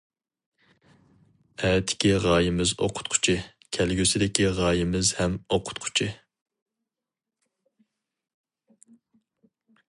ئەتىكى غايىمىز ئوقۇتقۇچى! كەلگۈسىدىكى غايىمىز ھەم ئوقۇتقۇچى!